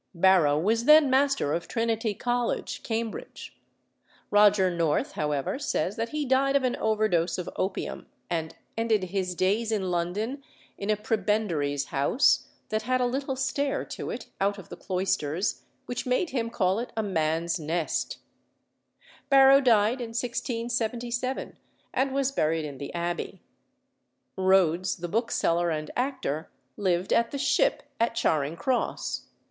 Barrow was then Master of Trinity College, Cambridge. Roger North, however, says that he died of an overdose of opium, and "ended his days in London in a prebendary's house that had a little stair to it out of the cloisters, which made him call it a man's nest." Barrow died in 1677, and was buried in the Abbey. Rhodes, the bookseller and actor, lived at the Ship at Charing Cross.